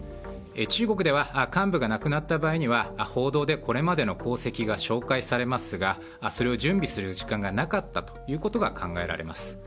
中国では幹部が亡くなった場合には報道でこれまでの功績が紹介されますがそれを準備する時間がなかったということが考えられます。